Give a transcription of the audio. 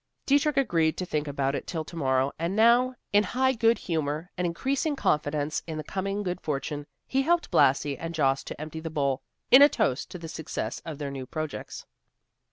Dietrich agreed to think about it till to morrow, and now, in high good humor and increasing confidence in the coming good fortune, he helped Blasi and Jost to empty the bowl, in a toast to the success of their new projects.